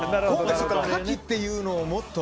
カキっていうのをもっと。